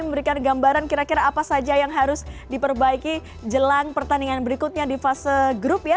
memberikan gambaran kira kira apa saja yang harus diperbaiki jelang pertandingan berikutnya di fase grup ya